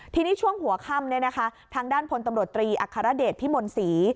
ทีนี้ช่วงหัวค่ำเนี่ยนะคะทางด้านพลตำรวจตรีอัคฮรเดชพี่มนศรี